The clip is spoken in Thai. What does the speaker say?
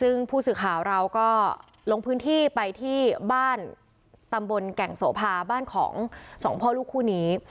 ซึ่งผู้สื่อข่าวเราก็ลงพื้นที่ไปที่บ้านตำบลแก่งโสภาบ้านของสองพ่อลูกคู่นี้